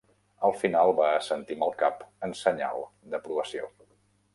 Al final, va assentir amb el cap en senyal d'aprovació.